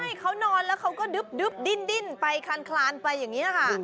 ใช่เขานอนแล้วเขาก็ดึ๊บดิ้นไปคลานไปอย่างนี้ค่ะ